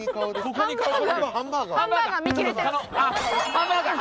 ハンバーガー。